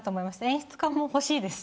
演出家も欲しいです。